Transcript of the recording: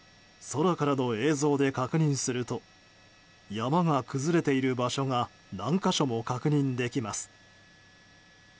空からの映像で確認すると山が崩れている場所が何か所も確認できます。